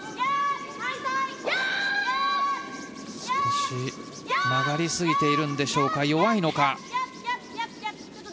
少し曲がりすぎているんでしょうか弱いのか。